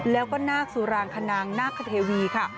แล้วก็นาคสุรางคณางนาคเทวีค่ะ